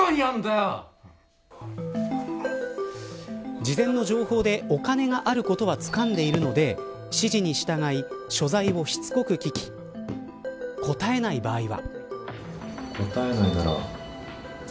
事前の情報で、お金があることは、つかんでいるので指示に従い所在をしつこく聞き答えない場合は。